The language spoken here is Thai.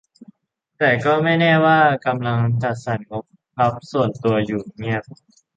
แต่ก็ไม่แน่ว่ากำลังจัดสรรงบลับส่วนตัวอยู่เงียบ